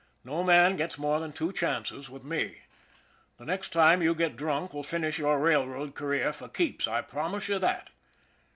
No man gets more than two chances with me. The next time you get drunk will finish your railroad career for keeps, I promise you that."